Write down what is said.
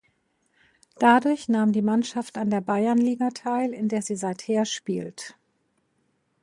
Dadurch nahm die Mannschaft an der Bayernliga teil, in der sie seither spielt.